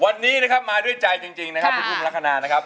วันนี้นะครับมาด้วยใจจริงนะครับคุณอุ้มลักษณะนะครับ